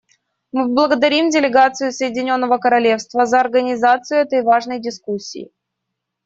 Мы благодарим делегацию Соединенного Королевства за организацию этой важной дискуссии.